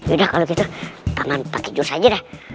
udah kalau gitu paman pakai jurus aja dah